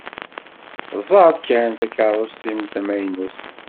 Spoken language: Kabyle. Ẓeṛ kan takeṛṛust-iw tamaynut.